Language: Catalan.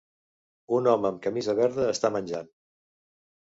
Un home amb camisa verda està menjant.